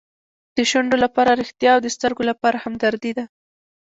د شونډو لپاره ریښتیا او د سترګو لپاره همدردي ده.